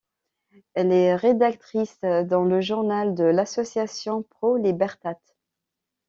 Elle est rédactrice dans le journal de l'association Pro Libertate.